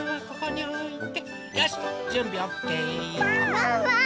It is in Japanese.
ワンワーン！